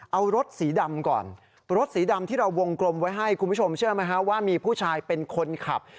เอารถสีดำก่อนทดสีดำที่เราวงกลมให้เขาคุณมาเชื่อรึเป็นว่ามีผู้ชายเป็นคนขับ